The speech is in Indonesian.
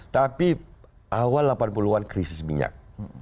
tapi awal delapan puluh an krisis minyak